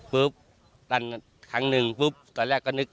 ตันครั้งหนึ่งปุ๊บตอนแรกก็นึก